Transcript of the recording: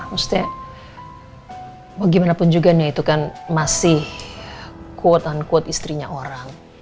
maksudnya bagaimanapun juga itu kan masih quote unquote istrinya orang